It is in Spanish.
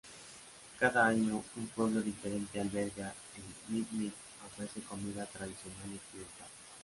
Cada año, un pueblo diferente alberga el Mit-mit y ofrece comida tradicional y occidental.